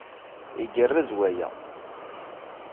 Igerrez waya!